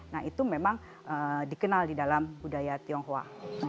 nah itu memang dikenal di dalam budaya tionghoa